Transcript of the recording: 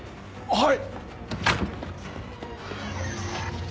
はい！